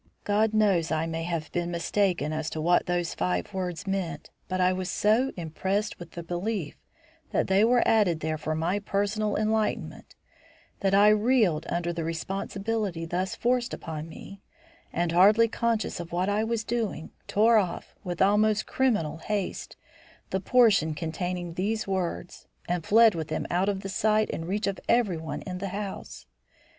God knows I may have been mistaken as to what those five words meant, but I was so impressed with the belief that they were added there for my personal enlightenment that I reeled under the responsibility thus forced upon me, and, hardly conscious of what I was doing, tore off, with almost criminal haste, the portion containing these words, and fled with them out of the sight and reach of everyone in the house.